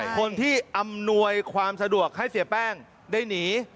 คนที่อำนวยความสะดวกให้เสียแป้งได้หนี